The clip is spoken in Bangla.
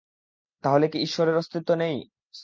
তাহলে কি ঈশ্বরের অস্তিত্ব নেই?